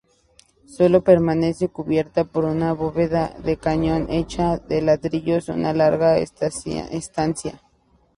Sólo permanece cubierta por una bóveda de cañón hecha de ladrillos una alargada estancia.